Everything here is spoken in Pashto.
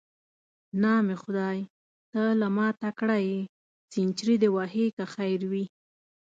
نام خدای، ته له ما تکړه یې، سنچري دې وهې که خیر وي.